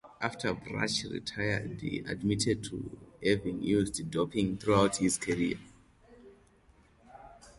After Bruch retired, he admitted to having used doping throughout his career.